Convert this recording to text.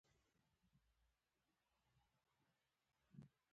له ځانه سره موسکه شوه.